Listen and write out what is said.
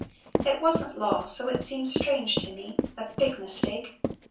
It wasn't law, so it seems strange to me A big mistake.